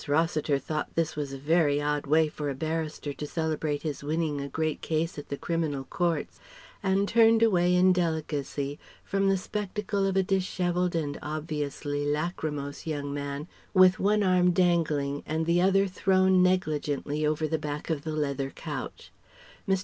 Rossiter thought this was a very odd way for a barrister to celebrate his winning a great case at the criminal courts, and turned away in delicacy from the spectacle of a dishevelled and obviously lachrymose young man with one arm dangling and the other thrown negligently over the back of the leather couch. "Mr.